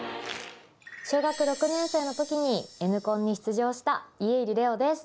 小学６年生の時にＮコンに出場した家入レオです。